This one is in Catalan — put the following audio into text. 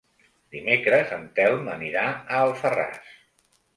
Dimecres en Telm anirà a Alfarràs.